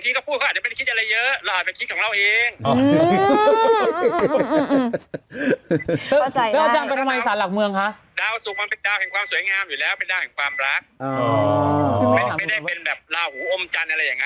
อยู่แล้วเป็นดาวแห่งความรักอ๋อไม่ได้เป็นแบบลาหูอมจันทร์อะไรอย่าง